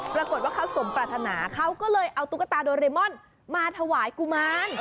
ปรากฏว่าเขาสมปรารถนาเขาก็เลยเอาตุ๊กตาโดเรมอนมาถวายกุมาร